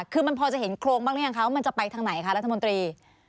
คือมันพอจะเห็นโครงบ้างหรือยังคะว่ามันจะไปทางไหนคะรัฐมนตรี